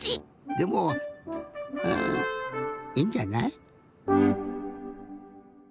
でもあいいんじゃない？